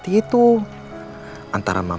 mak emang ke rumah